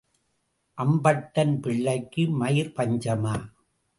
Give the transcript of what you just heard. அம்பட்டன் பிள்ளைக்கு, மயிர் பஞ்சமா?